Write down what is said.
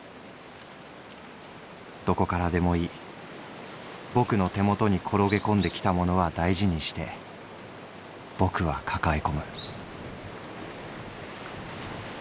どこからでもいいぼくの手元に転げ込んできたものは大事にしてぼくは抱え込む」。